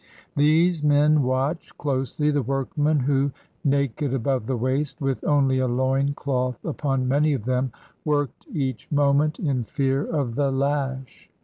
These men watched closely the workmen, who, naked above the waist, with only a loin cloth upon many of them, worked each mo ment in fear of the lash.